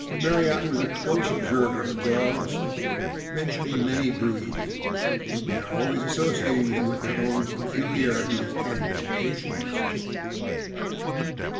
Marryat was a close observer of dogs, mentioning many breeds, and always associating them with their own pecul iarities and vocations.